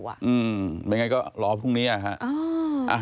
อืมไม่อย่างไรก็รอพรุ่งนี้อะค่ะ